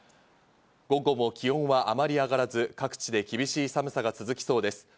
午後も気温はあまり上がらず、各地で厳しい寒さが続きそうです。